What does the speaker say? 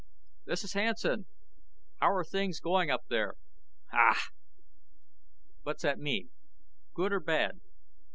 "This is Hansen. How're things going up there?" "Ha!" "What's that mean? Good or bad?"